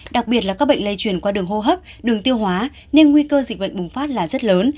đặc biệt là các bệnh lây truyền qua đường hô hấp đường tiêu hóa nên nguy cơ dịch bệnh bùng phát là rất lớn